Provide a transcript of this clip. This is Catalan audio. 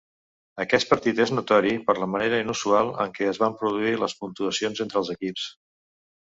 Aquest partit és notori per la manera inusual en què es van produir les puntuacions entre els equips.